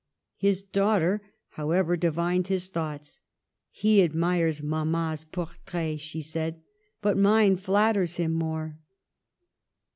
His daughter, however, divined his thoughts :" He admires Mamma's portrait," she said, •* but mine flatters him more."